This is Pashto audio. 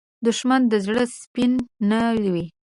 دښمن د زړه سپین نه وي